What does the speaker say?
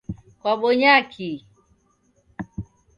Kwabonya kii?